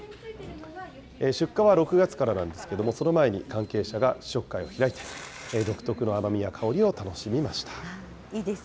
出荷は６月からなんですけれども、その前に関係者が試食会を開いて、独特の甘みや香りを楽しみました。